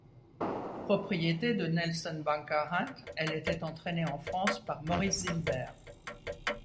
Propriété de Nelson Bunker Hunt, elle était entraînée en France par Maurice Zilber.